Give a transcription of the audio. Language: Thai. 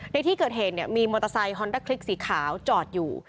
ในที่เกิดเหตุมีมอเตอร์ไซค์ฮอนด้าคลิกสีขาวจอดอยู่